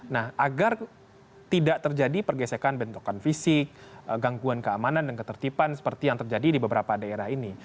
nah agar tidak terjadi pergesekan bentrokan fisik gangguan keamanan dan ketertiban seperti yang terjadi di beberapa daerah ini